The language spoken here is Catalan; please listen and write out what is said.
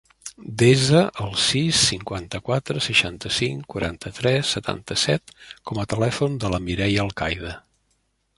Desa el sis, cinquanta-quatre, seixanta-cinc, quaranta-tres, setanta-set com a telèfon de la Mireia Alcaide.